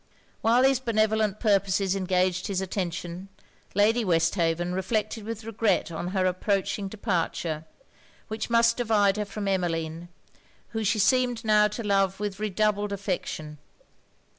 While these benevolent purposes engaged his attention, Lady Westhaven reflected with regret on her approaching departure, which must divide her from Emmeline, whom she seemed now to love with redoubled affection.